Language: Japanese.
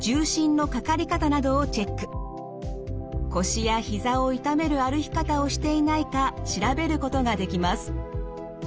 腰や膝を痛める歩き方をしていないか調べることができます。